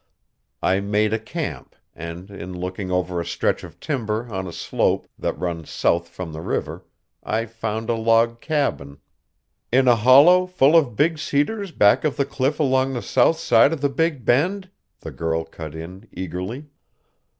I made a camp, and in looking over a stretch of timber on a slope that runs south from the river I found a log cabin " "In a hollow full of big cedars back of the cliff along the south side of the Big Bend?" the girl cut in eagerly.